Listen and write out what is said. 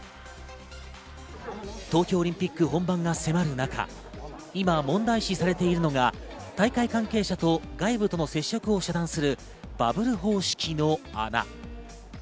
東京オリンピック本番が迫る中、今、問題視されているのが大会関係者と外部との接触を遮断するバブル方式の穴。